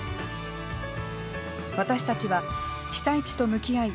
私たちは、被災地と向き合い